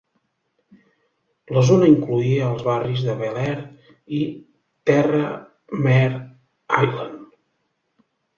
La zona incloïa els barris de Bel Air i Terra Mar Island.